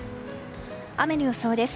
雨の予想です。